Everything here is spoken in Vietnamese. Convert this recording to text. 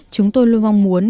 chúng tôi luôn mong muốn